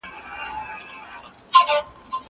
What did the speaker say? کېدای سي سينه سپين ستونزي ولري.